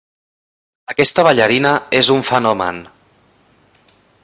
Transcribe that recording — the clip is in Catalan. Aquesta ballarina és un fenomen.